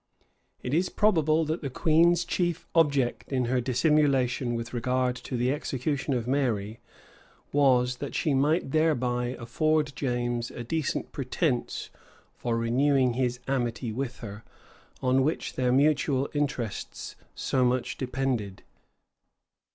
It is probable that the queen's chief object in her dissimulation with regard to the execution of Mary, was, that she might thereby afford James a decent pretence for renewing his amity with her, on which their mutual interests so much depended.